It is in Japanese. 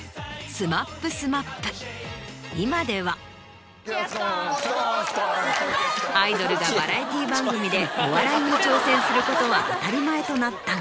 スコーンスコーンアイドルがバラエティー番組でお笑いに挑戦することは当たり前となったが。